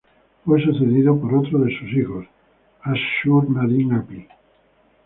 Fue sucedido por otro de sus hijos, Ashur-nadin-apli.